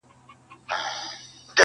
تر ملكونو تر ښارونو رسيدلي؛